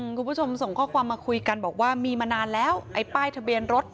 คุณผู้ชมส่งข้อความมาคุยกันบอกว่ามีมานานแล้วไอ้ป้ายทะเบียนรถ